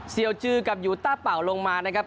ี่ยวจือกับยูต้าเป่าลงมานะครับ